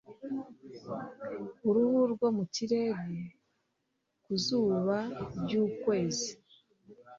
Ku ruhu rwo mu kirere ku zuba ryukwezi